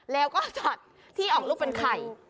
แล้วก็ช็อตที่ออกลูกเป็นไข่